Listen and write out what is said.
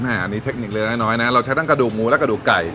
อันนี้เทคนิคเล็กน้อยนะเราใช้ทั้งกระดูกหมูและกระดูกไก่